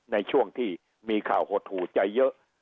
ในช่วงที่มีข่าวหดหูใจเยอะ